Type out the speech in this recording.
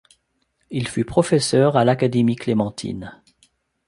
Il fut professeur à l'Académie clémentine.